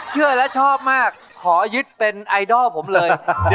เชื่อและชอบมากขอยึดเป็นไอดอลผมเลย